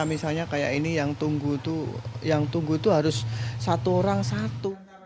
misalnya kayak ini yang tunggu tuh harus satu orang satu